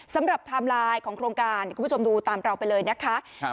ไทม์ไลน์ของโครงการคุณผู้ชมดูตามเราไปเลยนะคะ